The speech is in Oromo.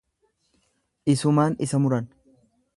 Isumaan isa muran.